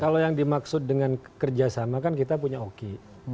kalau yang dimaksud dengan kerjasama kan kita punya oki